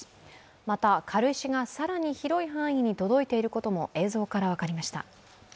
また軽石が更に広い範囲に届いていることも映像から分かりました。